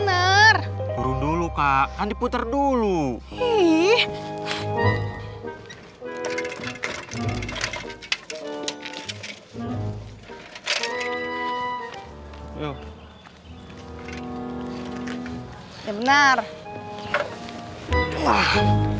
aduh aduh aduh